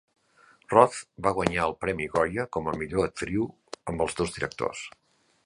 Roth va guanyar el Premi Goya com a millor actriu amb els dos directors.